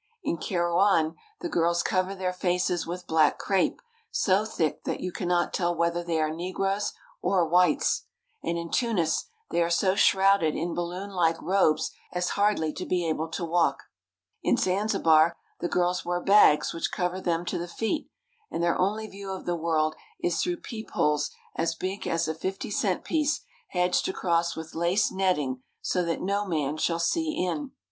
In Kairouan the girls cover their faces with black crepe so thick that you cannot tell whether they are negroes or whites; and in Tunis they are so shrouded in balloon like robes as hardly to be able to walk. In Zanzibar the girls wear bags which cover them to the feet, and their only view of the world is through peepholes as big as a fifty cent piece hedged across with lace netting so that no man shall see in.